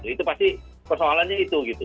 itu pasti persoalannya itu gitu